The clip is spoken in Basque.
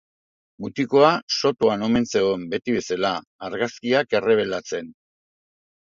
Mutikoa sotoan omen zegoen, beti bezala, argazkiak errebelatzen.